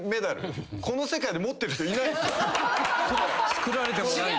作られてもないんだ。